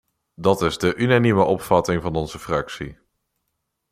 Dat is de unanieme opvatting van onze fractie.